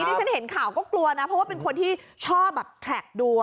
ที่ฉันเห็นข่าวก็กลัวนะเพราะว่าเป็นคนที่ชอบแบบแทรกดู